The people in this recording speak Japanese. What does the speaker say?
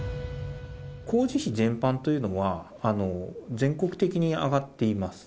工事費全般というのは、全国的に上がっています。